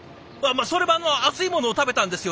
それは熱いものを食べたんですよね。